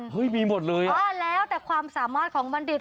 มีหมดเลยอ่ะแล้วแต่ความสามารถของบัณฑิต